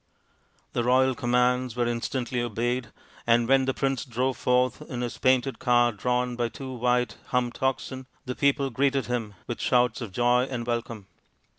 The royal commands were instantly obeyed, and when the prince drove forth in his painted car drawn by two white humped oxen, the people greeted him with shouts of joy and welcome.